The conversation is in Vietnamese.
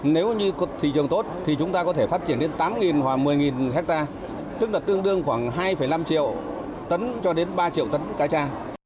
nếu như thị trường tốt thì chúng ta có thể phát triển đến tám hoặc một mươi hectare tức là tương đương khoảng hai năm triệu tấn cho đến ba triệu tấn cá cha